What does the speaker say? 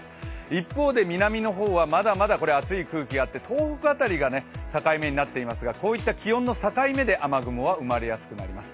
一方で南の方はまだまだあつい空気があって東北辺りが境目になっていますがこういった気温の境目で雨雲は生まれやすくなります。